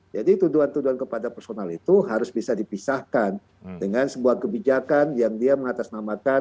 jadi tuduhan tuduhan kepada personal itu harus bisa dipisahkan dengan sebuah kebijakan yang dia mengatasnamakan